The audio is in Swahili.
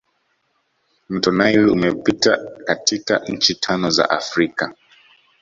mto nile umepita katika nchi tano za africa